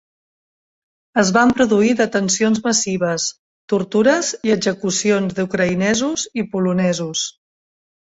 Es van produir detencions massives, tortures i execucions d'ucraïnesos i polonesos.